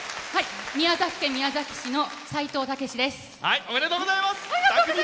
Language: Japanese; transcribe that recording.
宮崎県宮崎市のさいとうです。